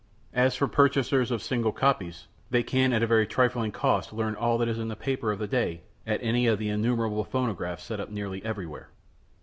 As for purchasers of single copies, they can at a very trifling cost learn all that is in the paper of the day at any of the innumerable phonographs set up nearly everywhere.